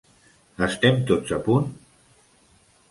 Estem tots a punt?